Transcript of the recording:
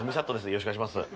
よろしくお願いします